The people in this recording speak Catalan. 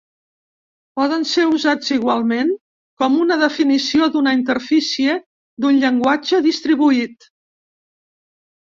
Poden ser usats igualment com una definició d'una interfície d'un llenguatge distribuït.